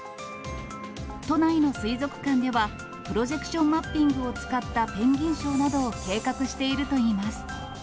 都内の水族館では、プロジェクションマッピングを使ったペンギンショーなどを計画しているといいます。